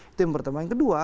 itu yang pertama yang kedua